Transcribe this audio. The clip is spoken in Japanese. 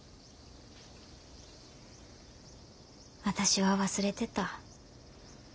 私は忘れてた。